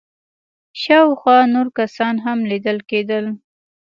شاوخوا نور کسان هم ليدل کېدل.